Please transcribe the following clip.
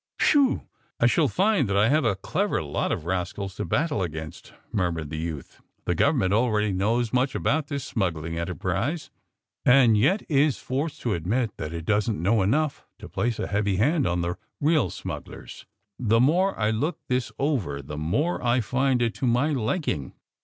*^Whew! I shall find that I have a clever lot of rascals to battle against," murmured the youth. ^^The government already knows much about this smuggling enterprise, and yet is AND THE SMUGGLEKS 19 forced to admit that it doesn't know enongli to place a heavy hand on the real smugglers. The more I look this over the more I find it to my liking.